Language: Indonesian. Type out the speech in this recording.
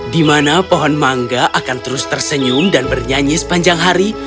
di mana pohon mangga akan terus tersenyum dan bernyanyi sepanjang hari